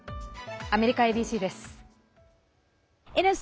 アメリカＡＢＣです。